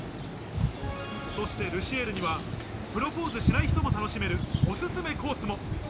そしてルシエールにはプロポーズしない人も楽しめるおすすめコースも。